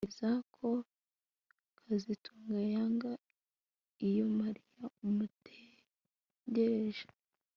Ntekereza ko kazitunga yanga iyo Mariya amutegereje